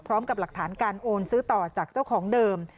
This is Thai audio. พร้อมกับหลักฐานการโอนซื้อต่อจากเจ้าของเดิม